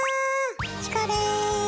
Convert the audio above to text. チコです。